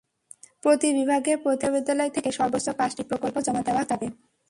প্রতি বিভাগে প্রতিটি বিশ্ববিদ্যালয় থেকে সর্বোচ্চ পাঁচটি প্রকল্প জমা দেওয়া যাবে।